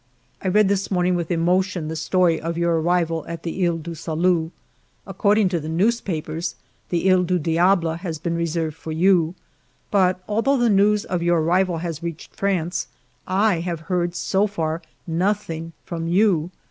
I read this morning with emotion the story of your arrival at the lies du Salut. According to the newspapers, the He du Diable has been re ALFRED DREYFUS 149 served for you. But although the news of your arrival has reached France, I have so far heard nothing from you.